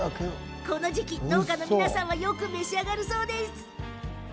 この時期、農家の皆さんはよく食べているそうです。